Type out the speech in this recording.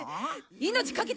命懸けて！